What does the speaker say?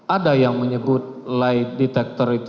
ada yang menyebut lay detektor itu